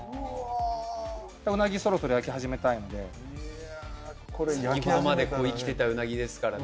うなぎそろそろ焼き始めたいので先ほどまで生きてたうなぎですからね